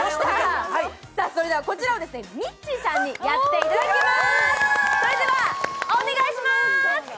それではこちらをミッチーさんにやっていただきます。